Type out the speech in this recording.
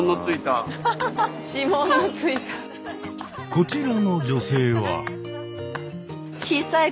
こちらの女性は。